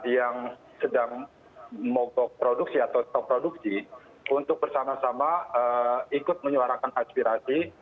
yang sedang mogok produksi atau stop produksi untuk bersama sama ikut menyuarakan aspirasi